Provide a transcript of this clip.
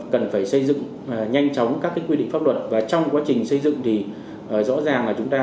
cần phải xây dựng nhanh chóng các quy định pháp luật và trong quá trình xây dựng thì rõ ràng là chúng ta